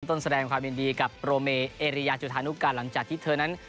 แสดงความยินดีกับโรเมเอเรียจุธานุการหลังจากที่เธอนั้น